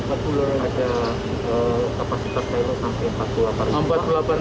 ada kapasitas yang empat puluh delapan ribu ton